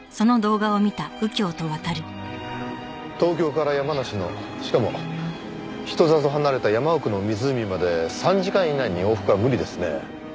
東京から山梨のしかも人里離れた山奥の湖まで３時間以内に往復は無理ですね。